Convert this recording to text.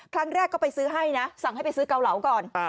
ครั้งแรกก็ไปซื้อให้นะสั่งให้ไปซื้อเกาเหลาก่อน